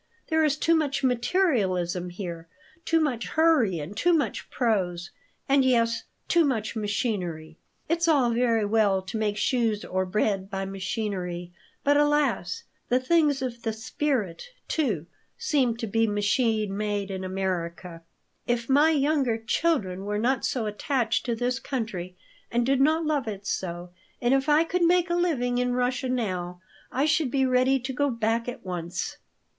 There is too much materialism here, too much hurry and too much prose, and yes, too much machinery. It's all very well to make shoes or bread by machinery, but alas! the things of the spirit, too, seem to be machine made in America. If my younger children were not so attached to this country and did not love it so, and if I could make a living in Russia now, I should be ready to go back at once."